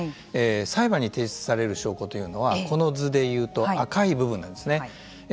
裁判に提出される証拠というのはこの図で言うと赤い部分なんですね。